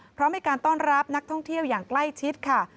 เพราะมีการต้อนรับนักท่องเที่ยวอย่างใกล้ชิดค่ะ